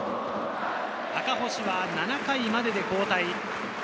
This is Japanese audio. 赤星は７回までで交代。